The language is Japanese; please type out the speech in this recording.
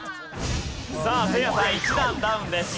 さあせいやさん１段ダウンです。